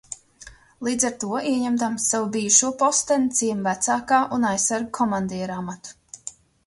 Līdz ar to ieņemdams savu bijušo posteni, ciema vecākā un aizsargu komandiera amatu.